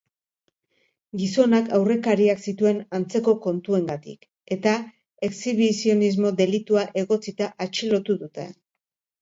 Gizonak aurrekariak zituen antzeko kontuengatik, eta exhibizionismo delitua egotzita atxilotu dute.